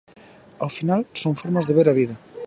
Ao final son formas de ver a vida.